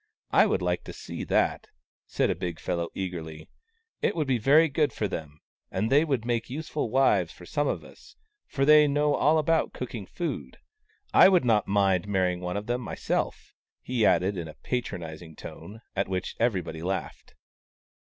I would like to see that !" said a big fellow, eagerly. " It would be very good for them, and they would make useful wives for some of us, for they know all about cooking food. I would not mind marrying one of them myself !" he added, in a patronizing tone, at which everybody laughed.